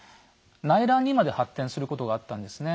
内乱にまで発展することがあったんですね。